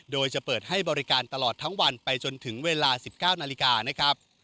โดยจะเปิดให้บริการตลอดทั้งวันไปจนถึงเวลา๑๙นาฬิกานะครับ